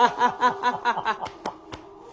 ハハハハハ。